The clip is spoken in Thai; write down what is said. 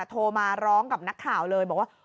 โทรมาร้องกับนักข่าวเลยบอกว่า